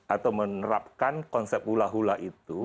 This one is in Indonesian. atau menerapkan konsep hula hula itu